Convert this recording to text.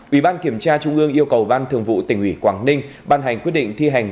ủy ban kiểm tra trung ương yêu cầu ban thường vụ tỉnh ủy quảng ninh ban hành quyết định thi hành